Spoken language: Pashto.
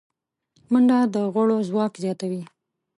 منډه د غړو ځواک زیاتوي